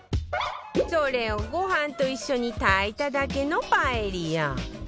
それをご飯と一緒に炊いただけのパエリア